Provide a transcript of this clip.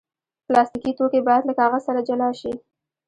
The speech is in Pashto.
پلاستيکي توکي باید له کاغذ سره جلا شي.